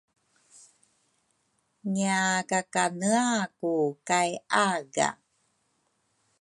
ngiakakaneaku kay aga.